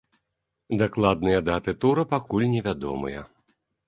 Дакладныя даты тура пакуль невядомыя.